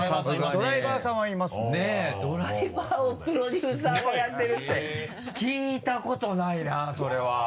ドライバーをプロデューサーがやってるって聞いたことないなそれは。